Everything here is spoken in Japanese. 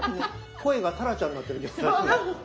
声がタラちゃんになってるけど。